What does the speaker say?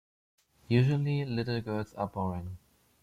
Usually, little girls are boring.